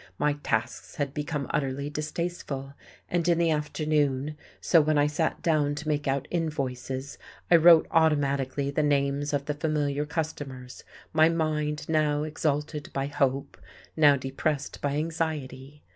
My tasks had become utterly distasteful. And in the afternoon, so when I sat down to make out invoices, I wrote automatically the names of the familiar customers, my mind now exalted by hope, now depressed by anxiety.